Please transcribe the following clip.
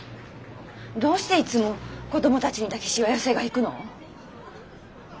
どうしていつも子供たちにだけしわ寄せが行くの？